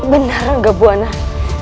benar gakbu anak